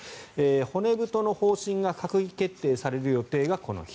骨太の方針が閣議決定される予定がこの日。